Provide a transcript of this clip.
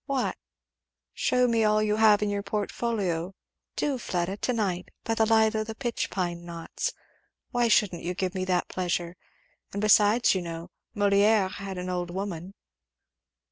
"What?" "Shew me all you have in your portfolio Do, Fleda to night, by the light of the pitch pine knots. Why shouldn't you give me that pleasure? And besides, you know Molière had an old woman?"